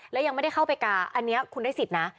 แล้วยังไม่ได้เข้าไปกาอันนี้คุณได้สิทธิ์นะ